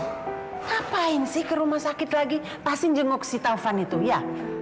ngapain sih ke rumah sakit lagi pasti jenguk si taufan itu ya